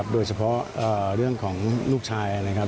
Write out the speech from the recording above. โดยเฉพาะเรื่องของลูกชายนะครับ